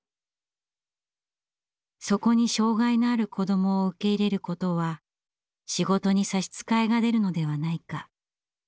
そこに障害のある子どもを受け入れることは仕事に差し支えが出るのではないか。